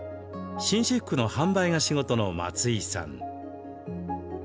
紳士服の販売が仕事の松井さん。